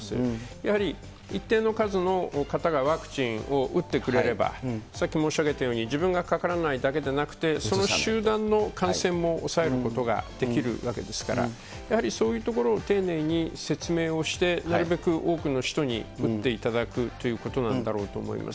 やはり一定の数の方がワクチンを打ってくれれば、さっき申し上げたように、自分がかからないだけでなくて、その集団の感染も抑えることができるわけですから、やはりそういうところを丁寧に説明をして、なるべく多くの人に打っていただくということなんだろうと思います。